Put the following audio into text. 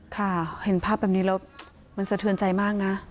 ค่ะเห็นภาพแบบนี้แล้วมันสะเทือนใจมากนะ